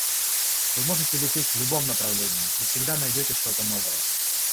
Вы можете лететь в любом направлении, и всегда найдете что-то новое.